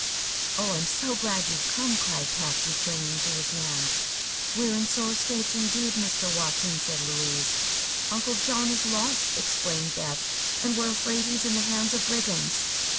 "Oh, I'm so glad you've come!" cried Patsy, clinging to his hand. "We are in sore straits, indeed, Mr. Watson," said Louise. "Uncle John is lost," explained Beth, "and we're afraid he is in the hands of brigands."